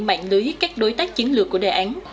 mạng lưới các đối tác chiến lược của đề án